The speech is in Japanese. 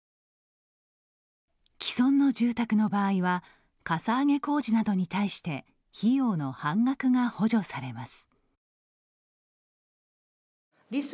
既存の住宅の場合はかさ上げ工事などに対して費用の半額が補助されます。